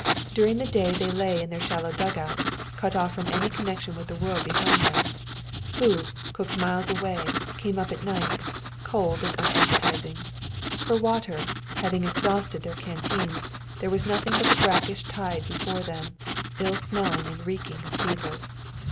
During the day, they lay in their shallow dugouts, cut off from any connection with the world behind them. Food, cooked miles away, came up at night, cold and unappetizing. For water, having exhausted their canteens, there was nothing but the brackish tide before them, ill smelling and reeking of fever.